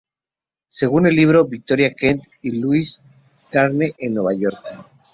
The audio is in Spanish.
Según el libro ""Victoria Kent y Louise Crane en Nueva York.